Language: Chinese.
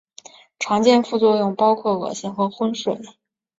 常见副作用包含恶心和昏睡。